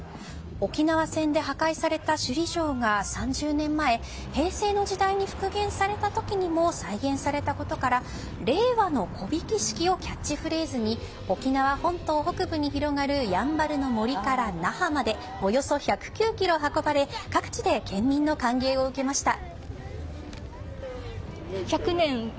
沖縄戦で破壊された首里城が３０年前平成の時代に復元された時にも再現されたことから令和の木曳式をキャッチフレーズに沖縄本島北部に広がるやんばるの森から那覇までおよそ１０９ｋｍ運ばれ各地で県民の歓迎を受けました。